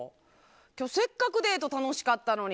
今日、せっかくデート楽しかったのに。